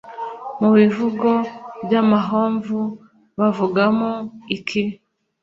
Mu byivugo by’amahomvu bavugamo iki?